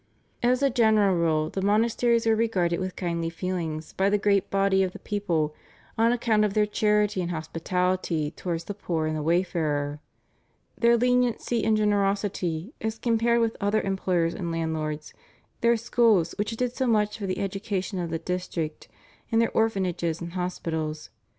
As a general rule the monasteries were regarded with kindly feelings by the great body of the people on account of their charity and hospitality towards the poor and the wayfarer, their leniency and generosity as compared with other employers and landlords, their schools which did so much for the education of the district, and their orphanages and hospitals.